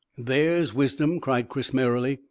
"There's wisdom," cried Chris merrily.